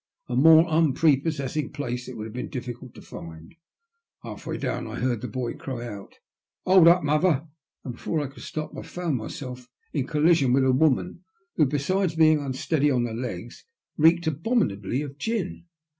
A more unprepossessing place it would have been difficult to find. Half way down I heard the boy cry out " Hold up, mother !" and before I could stop I found myself in collision with a woman who, besides being unsteady on her legs, reeked abominably of gin.